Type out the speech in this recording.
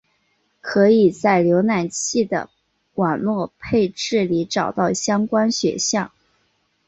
可以在浏览器的网络配置里找到相关选项。